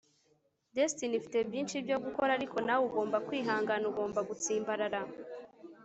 destiny ifite byinshi byo gukora, ariko nawe. ugomba kwihangana, ugomba gutsimbarara